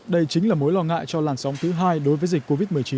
đây chính là mối lo ngại cho làn sóng thứ hai đối với dịch covid một mươi chín